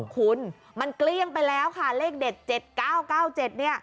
คุณมันเกลี้ยงไปแล้วค่ะเลขเด็ด๗๙๙๗เนี่ย